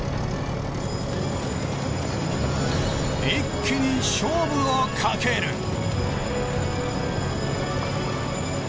一気に勝負をかける！